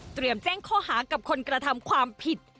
แจ้งข้อหากับคนกระทำความผิด